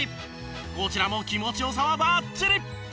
こちらも気持ち良さはバッチリ！